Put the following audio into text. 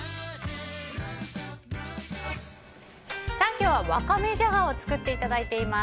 今日はワカメジャガを作っていただいています。